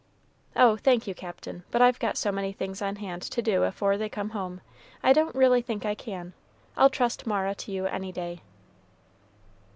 "Oh, thank you, Captain, but I've got so many things on hand to do afore they come home, I don't really think I can. I'll trust Mara to you any day."